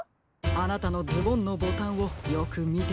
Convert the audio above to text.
あなたのズボンのボタンをよくみてください。